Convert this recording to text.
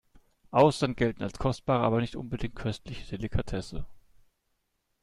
Austern gelten als kostbare aber nicht unbedingt köstliche Delikatesse.